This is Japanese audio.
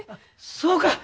そうか。